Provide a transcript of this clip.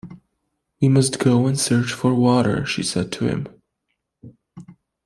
"We must go and search for water," she said to him.